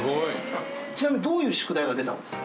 ちなみにどういう宿題が出たんですか？